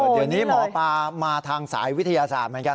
เดี๋ยวนี้หมอปลามาทางสายวิทยาศาสตร์เหมือนกัน